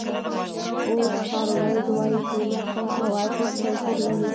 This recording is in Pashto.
اوسکار ویلډ وایي قیمت او ارزښت توپیر لري.